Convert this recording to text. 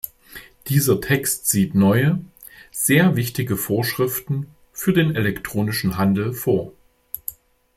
Dieser Text sieht neue, sehr wichtige Vorschriften für den elektronischen Handel vor.